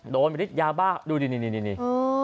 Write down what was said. โดนอย่าไปพิติยาบ้าดูนี่นี่